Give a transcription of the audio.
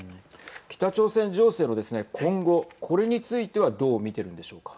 北朝鮮情勢はですね、今後これについてはどう見ているんでしょうか。